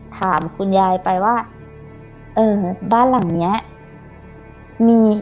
ถามคุณยายไปว่าเออบ้านหลังเนี้ยมี